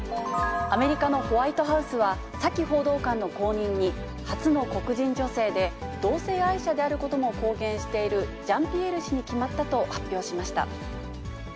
アメリカのホワイトハウスは、サキ報道官の後任に、初の黒人女性で、同性愛者であることも公言しているジャンピエール氏に決まったと発表しました。